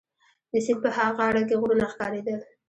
د سیند په ها غاړه کي غرونه ښکارېدل.